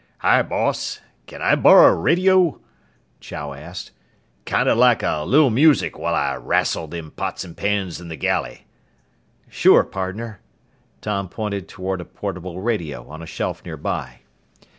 "Hi, boss! Can I borrow a radio?" Chow asked. "Kinda like a lil music while I wrassle them pots an' pans in the galley." "Sure, pardner." Tom pointed toward a portable radio on a shelf nearby.